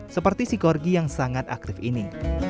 seperti si korgi yang sangat aktif ini